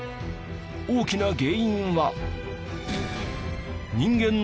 大きな原因は。